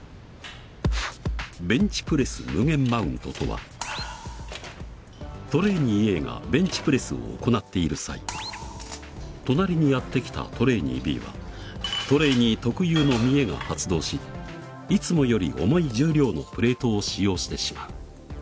ベンチプレス無限マウントとはトレーニーＡがベンチプレスを行っている際隣にやってきたトレーニーＢはトレーニー特有の見栄が発動しいつもより重い重量のプレートを使用してしまう。